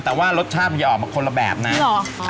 แต่ว่ารสชาติออกมาคนละแบบนะนี่เหรอ